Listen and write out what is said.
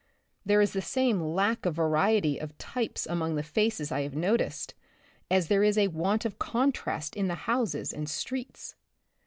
There is the same lack of vari ety of types among the faces I have noticed, as there is a want of contrast in the houses and streets.